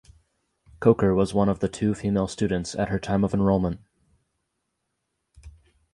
Coker was one of the two female students at her time of enrollment.